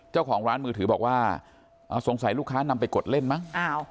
เจ้าของร้านมือถือบอกว่าสงสัยลูกค้านำไปกดเล่นมั้ง